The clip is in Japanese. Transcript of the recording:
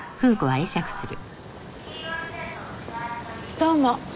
どうも。